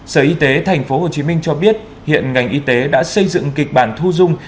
sở y tế tp hcm cho biết hiện ngành y tế đã xây dựng kịch bản thu dung